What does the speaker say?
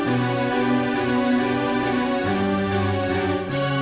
iya aku mau ke cidahu